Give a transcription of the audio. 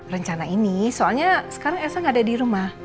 rencana ini soalnya sekarang elsa nggak ada di rumah